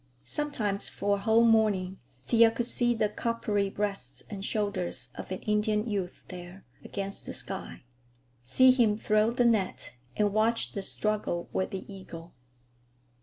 Sometimes for a whole morning Thea could see the coppery breast and shoulders of an Indian youth there against the sky; see him throw the net, and watch the struggle with the eagle.